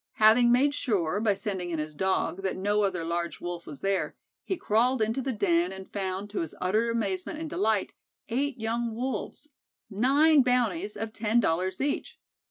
Having made sure, by sending in his Dog, that no other large Wolf was there, he crawled into the den, and found, to his utter amazement and delight, eight young Wolves nine bounties of ten dollars each.